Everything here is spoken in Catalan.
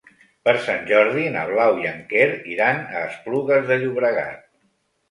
Per Sant Jordi na Blau i en Quer iran a Esplugues de Llobregat.